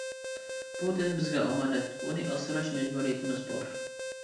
بۇ تەن بىزگە ئامانەت، ئۇنى ئاسراش مەجبۇرىيىتىمىز بار.